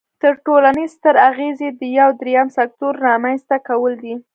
تر ټولو ستر اغیز یې د یو دریم سکتور رامینځ ته کول دي.